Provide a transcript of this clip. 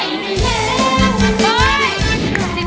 ไอ้ไอ้ไอ้